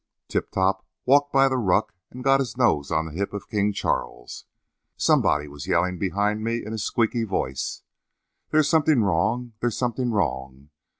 "Tip Top walked by the ruck and got his nose on the hip of King Charles. Somebody was yelling behind me in a squeaky voice: 'There is something wrong! There's something wrong!'